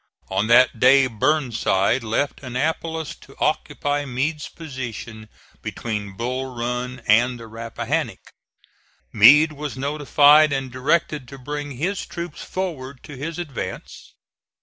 On that day Burnside left Annapolis to occupy Meade's position between Bull Run and the Rappahannock. Meade was notified and directed to bring his troops forward to his advance.